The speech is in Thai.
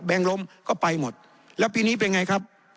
งลมก็ไปหมดแล้วปีนี้เป็นไงครับ